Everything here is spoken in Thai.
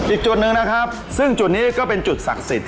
อีกจุดหนึ่งนะครับซึ่งจุดนี้ก็เป็นจุดศักดิ์สิทธิ